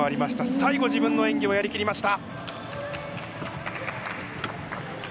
最後、自分の演技をやり切りました。